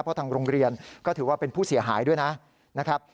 เพราะทางโรงเรียนก็ถือว่าเป็นผู้เสียหายด้วยนะครับ